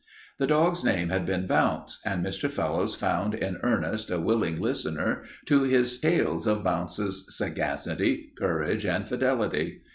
The dog's name had been Bounce, and Mr. Fellowes found in Ernest a willing listener to his tales of Bounce's sagacity, courage, and fidelity.